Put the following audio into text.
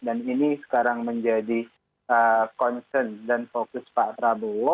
dan ini sekarang menjadi concern dan fokus pak prabowo